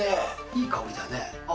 いい香りだね。